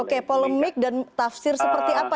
oke polemik dan tafsir seperti apa